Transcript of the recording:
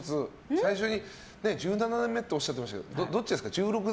最初に１７年目っておっしゃってましたけどどっちですか？